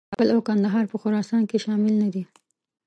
کابل او کندهار په خراسان کې شامل نه دي.